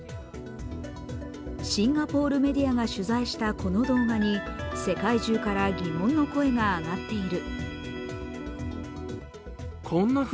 シンガポールメディアが取材したこの動画に世界中から疑問の声が上がっている。